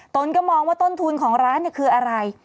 ตนก็มองว่าต้นทุนของร้านคืออะไร